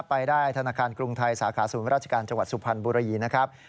ไปได้ธนาคารกรุงไทยสาขาศูนย์ราชการจังหวัดสุพรรณบุรีนะครับ